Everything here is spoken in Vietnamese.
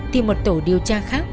thì một tổ điều tra khác